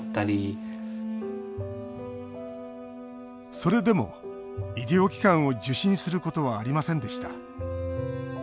それでも医療機関を受診することはありませんでした。